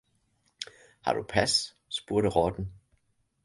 Har du pas spurgte rotten